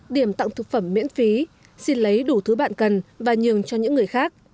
điểm tặng thực phẩm miễn phí xin lấy đủ thứ bạn cần và nhường cho những người khác